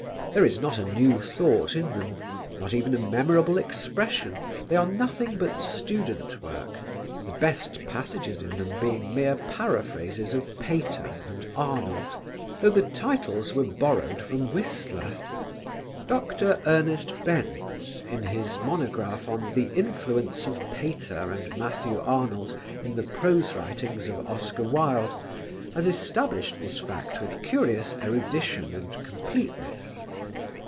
There is not a new thought in them; not even a memorable expression; they are nothing but student work, the best passages in them being mere paraphrases of Pater and Arnold, though the titles were borrowed from Whistler. Dr. Ernest Bendz in his monograph on The Influence of Pater and Matthew Arnold in the Prose Writings of Oscar Wilde has established this fact with curious erudition and completeness.